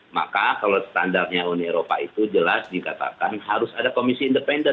maka kalau standarnya uni eropa itu jelas dikatakan harus ada komisi independen